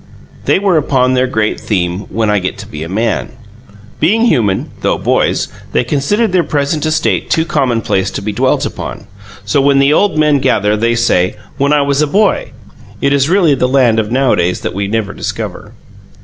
They were upon their great theme: "When I get to be a man!" Being human, though boys, they considered their present estate too commonplace to be dwelt upon. So, when the old men gather, they say: "When I was a boy!" It really is the land of nowadays that we never discover.